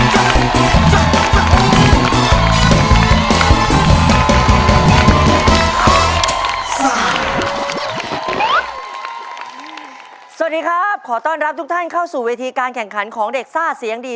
สวัสดีครับขอต้อนรับทุกท่านเข้าสู่เวทีการแข่งขันของเด็กซ่าเสียงดี